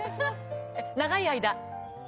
『長い間』。